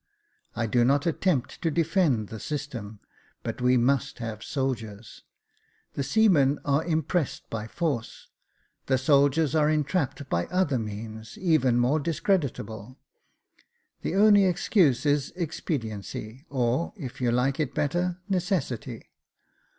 I do not attempt to defend the system, but we must have soldiers. The seamen are impressed by force, the soldiers are entrapped by other Jacob Faithful 411 means, even more discreditable ; the only excuse is ex pediency, or, if you like it better, necessity.